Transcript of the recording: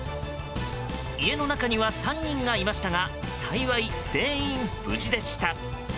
家の中には３人がいましたが幸い、全員無事でした。